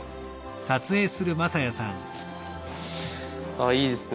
あいいですね。